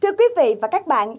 thưa quý vị và các bạn